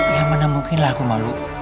ya mana mungkin lah aku malu